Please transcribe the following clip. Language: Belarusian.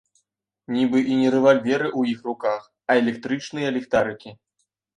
Нібы і не рэвальверы ў іх руках, а электрычныя ліхтарыкі.